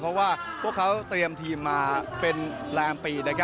เพราะว่าพวกเขาเตรียมทีมมาเป็นแรมปี